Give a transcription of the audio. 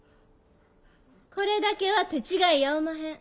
これだけは手違いやおまへん。